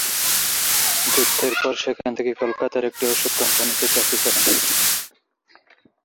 যুদ্ধের পর সেখান থেকে কলকাতার একটি ওষুধ কোম্পানিতে কাজ করেন।